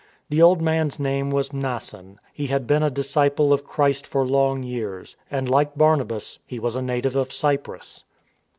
The old man's name was Mnason. He had been a disciple of Christ for long years, and, like Barnabas, he was a native of Cyprus.